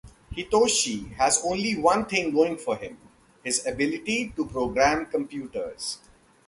Hitoshi has only one thing going for him - his ability to program computers.